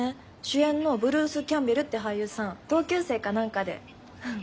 主演のブルース・キャンベルって俳優さん同級生か何かで。